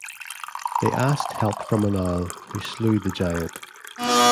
They asked help from an owl, who slew the giant.